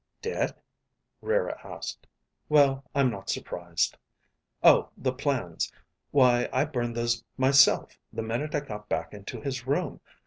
"Dead?" Rara asked. "Well, I'm not surprised. Oh, the plans! Why I burned those myself the minute I got back into his room.